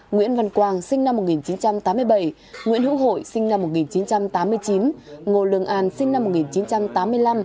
nguyễn văn quang sinh năm một nghìn chín trăm tám mươi bảy nguyễn hữu hội sinh năm một nghìn chín trăm tám mươi chín ngô lương an sinh năm một nghìn chín trăm tám mươi năm